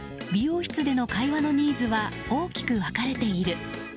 美容室での会話のニーズは大きく分かれている。